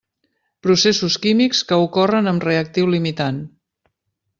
Processos químics que ocorren amb reactiu limitant.